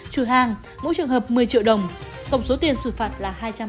chủ hàng mỗi trường hợp một mươi triệu đồng cộng số tiền xử phạt là hai trăm bốn mươi triệu đồng